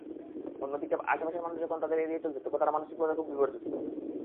অন্যদিকে আশপাশের মানুষ যখন তাঁদের এড়িয়ে চলছেন, তখন তাঁরা মানসিকভাবে খুব বিপর্যস্ত।